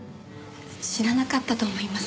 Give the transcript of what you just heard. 知らなかったと思います。